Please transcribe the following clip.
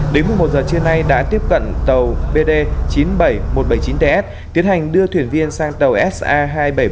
đến một h trưa nay đã tiếp cận tàu bd chín trăm bảy mươi một bảy mươi chín ts tiến hành đưa thuyền viên sang tàu sir hai trăm bảy mươi bốn